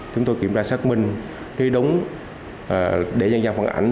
chúng tôi kiểm tra xác minh truy đúng để dân giao phản ảnh